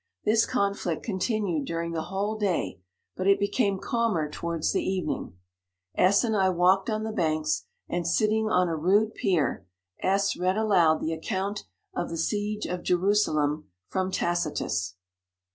This conflict continued during the whole day, but it became calmer towards the evening. g### an( j j walked on the banks, and sitting on a rude pier, S read aloud the account of the Siege of Jerusalem from Tacitus.